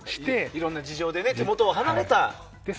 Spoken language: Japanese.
いろんな事情で手元を離れたね。